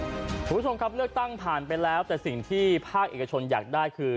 คุณผู้ชมครับเลือกตั้งผ่านไปแล้วแต่สิ่งที่ภาคเอกชนอยากได้คือ